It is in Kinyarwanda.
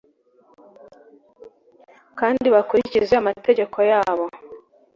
kandi bakurikize amategeko yabo